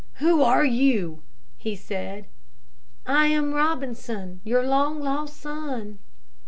"Who are you?" he said. "I am Robinson, your long lost son."